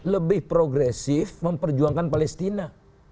lebih progresif memperjuangkan palestina